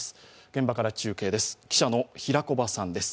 現場から中継です。